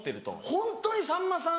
ホントにさんまさん